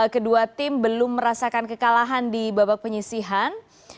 kedua tim belum merasakan kekalahan di babak penyisihan